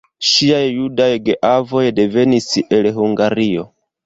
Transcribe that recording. Ŝiaj judaj geavoj devenis el Hungario.